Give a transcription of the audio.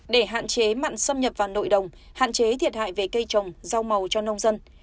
để hạn chế mặn xâm nhập vào nội đồng hạn chế thiệt hại về cây trồng rau màu cho nông dân